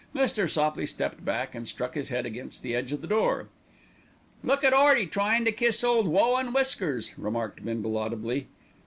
Mr. Sopley stepped back and struck his head against the edge of the door. "Look at 'earty tryin' to kiss ole Woe and Whiskers," remarked Bindle audibly.